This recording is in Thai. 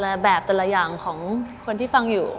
แบบแต่ละอย่างของคนที่ฟังอยู่